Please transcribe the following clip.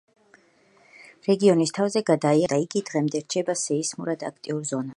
რეგიონის თავზე გადაიარა ურიცხვმა მიწისძვრამ და იგი დღემდე რჩება სეისმურად აქტიურ ზონად.